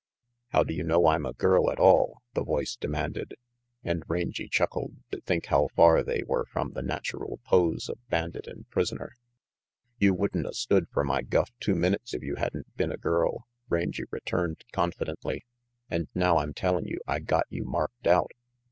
"How do you know I'm a girl at all?" the voice demanded, and Rangy chuckled to think how far they were from the natural pose of bandit and prisoner. RANGY PETE 35 "You wouldn't a stood fer my guff two minutes if you hadn't a been a girl," Rangy returned con fidently, "and now I'm tellin' you I got you marked out.